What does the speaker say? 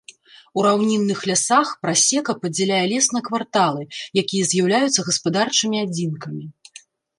У раўнінных лясах прасека падзяляе лес на кварталы, якія з'яўляюцца гаспадарчымі адзінкамі.